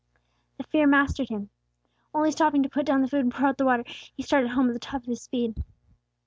The fear mastered him. Only stopping to put down the food and pour out the water, he started home at the top of his speed.